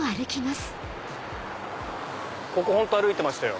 ここ本当歩いてましたよ。